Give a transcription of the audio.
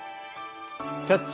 「キャッチ！